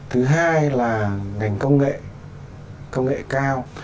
thứ hai là ngành công nghệ công nghệ cao